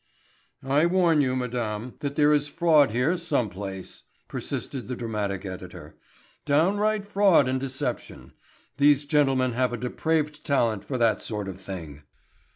"I warn you, madame, that there is fraud here some place," persisted the dramatic editor, "downright fraud and deception. These gentlemen have a depraved talent for that sort of thing."